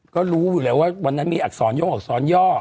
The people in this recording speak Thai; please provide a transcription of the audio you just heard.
ก็รู้อยู่แล้วว่าวันนั้นมีอักษรย่ออักษรย่อ